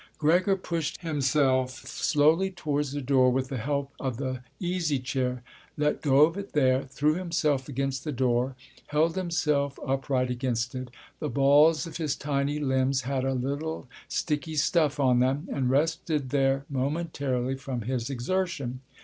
Gregor pushed himself slowly towards the door, with the help of the easy chair, let go of it there, threw himself against the door, held himself upright against it—the balls of his tiny limbs had a little sticky stuff on them—and rested there momentarily from his exertion.